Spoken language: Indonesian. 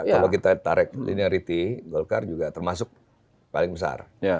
kalau kita tarik linearity golkar juga termasuk paling besar